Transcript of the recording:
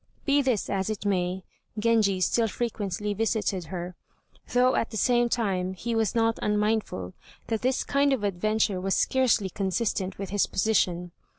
Be this as it may, Genji still frequently visited her, though at the same time he was not unmindful that this kind of adventure was scarcely consistent with his position.